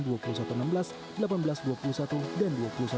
dua puluh satu enam belas delapan belas dua puluh satu dan dua puluh satu delapan belas